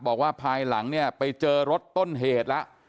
บอกว่าภายหลังเนี้ยไปเจอรถต้นเหตุละ